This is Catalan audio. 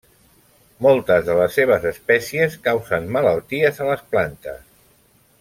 Moltes de les seves espècies causen malalties a les plantes.